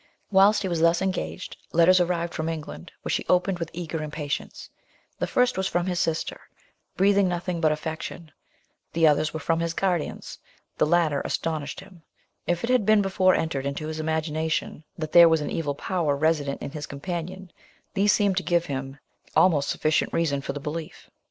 Whilst he was thus engaged, letters arrived from England, which he opened with eager impatience; the first was from his sister, breathing nothing but affection; the others were from his guardians, the latter astonished him; if it had before entered into his imagination that there was an evil power resident in his companion, these seemed to give him sufficient reason for the belief.